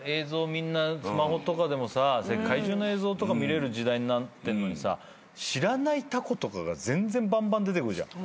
みんなスマホとかでもさ世界中の映像見られる時代になってんのにさ知らないタコとかが全然ばんばん出てくるじゃん。